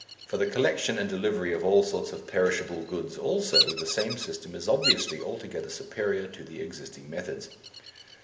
For the collection and delivery of all sorts of perishable goods also the same system is obviously altogether superior to the existing methods.